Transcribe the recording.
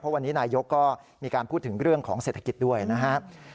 วันนี้นายกก็มีการพูดถึงเรื่องของเศรษฐกิจด้วยนะครับ